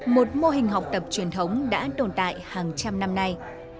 một mô hình học tập truyền thống đã tồn tại hàng trăm năm nay